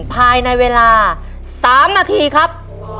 ภายในเวลา๓นาทีครับ